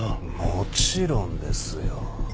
もちろんですよ。